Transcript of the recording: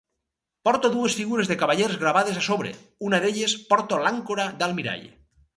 Porta dues figures de cavallers gravades a sobre: una d'elles porta l'àncora d'almirall.